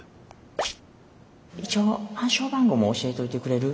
一応暗証番号も教えといてくれる？